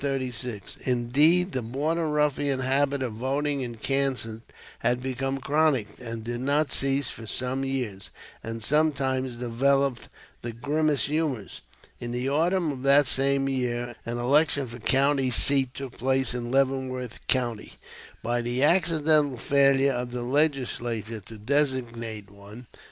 Indeed, the Border Ruffian habit of voting in Kansas had become chronic, and did not cease for some years, and sometimes developed the grimmest humors. In the autumn of that same year an election for county seat took place in Leavenworth County by the accidental failure of the Legislature to designate one.